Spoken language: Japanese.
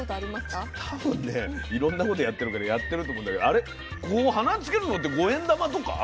たぶんねいろんなことやってるからやってると思うんだけどあれここ鼻につけるのって５円玉とか？